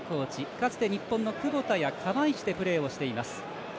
かつて日本のクボタや釜石でプレーしています。